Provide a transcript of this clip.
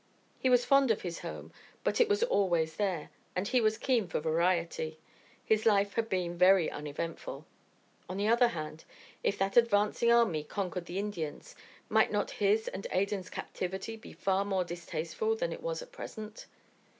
He was fond of his home, but it was always there, and he was keen for variety: his life had been very uneventful. On the other hand, if that advancing army conquered the Indians, might not his and Adan's captivity be far more distasteful than it was at present?